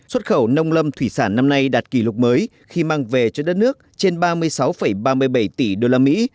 xuất khẩu nông lâm thủy sản năm nay đạt kỷ lục mới khi mang về cho đất nước trên ba mươi sáu ba mươi bảy tỷ usd